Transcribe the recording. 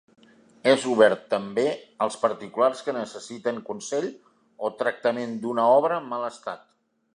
És obert també als particulars que necessiten consell o tractament d'una obra en mal estat.